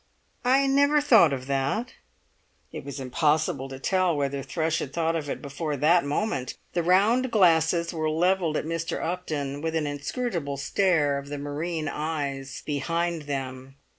"I never thought of that." It was impossible to tell whether Thrush had thought of it before that moment. The round glasses were levelled at Mr. Upton with an inscrutable stare of the marine eyes behind them.